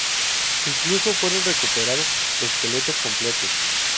Incluso fueron recuperados esqueletos completos.